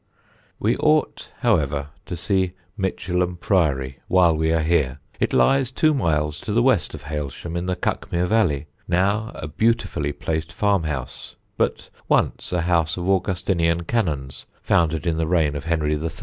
We ought, however, to see Michelham Priory while we are here. It lies two miles to the west of Hailsham, in the Cuckmere valley now a beautifully placed farmhouse, but once a house of Augustinian Canons founded in the reign of Henry III.